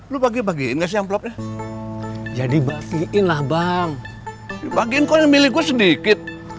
lu bagi bagi ngasih yang klopnya jadi bagiin lah bang bagi kau milik gue sedikit